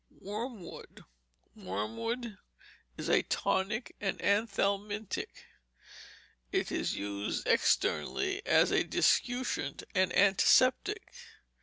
Wormwood Wormwood is a tonic and anthelmintic. It is used externally as a discutient and antiseptic.